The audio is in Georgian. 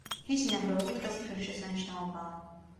მისი ნანგრევები დღეს ღირსშესანიშნაობაა.